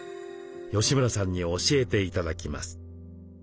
吉村さんに教えて頂きます。